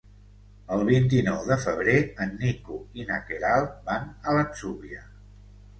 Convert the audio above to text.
El vint-i-nou de febrer en Nico i na Queralt van a l'Atzúbia.